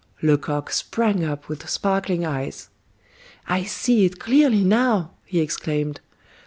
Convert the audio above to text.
Lecoq sprang up with sparkling eyes. "I see it clearly now," he exclaimed.